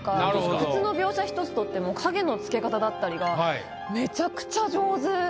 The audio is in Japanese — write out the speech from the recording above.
靴の描写ひとつ取っても影のつけ方だったりがめちゃくちゃ上手。